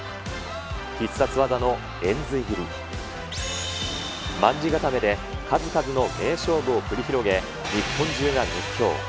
必殺技の延髄斬り、卍固めで、数々の名勝負を繰り広げ、日本中が熱狂。